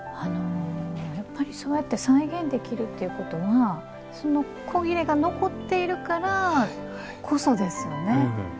やっぱりそうやって再現できるっていうことはその古裂が残っているからこそですよね。